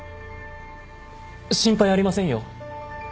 心配ありませんよ。